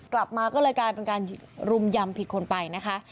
กลับมาก็เลยกลายเป็นการรุมยำผิดคนไปนะคะ